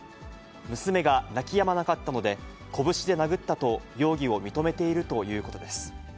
娘が泣きやまなかったので、拳で殴ったと、容疑を認めているということです。